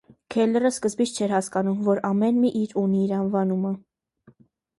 Քելլերը սկզբից չէր հասկանում, որ ամեն մի իր ունի իր անվանումը։